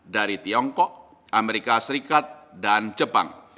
dari tiongkok amerika serikat dan jepang